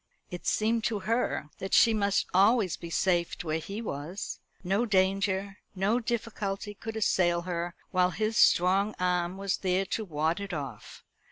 It seemed to her that she must always be safe where he was. No danger, no difficulty could assail her while his strong arm was there to ward it off.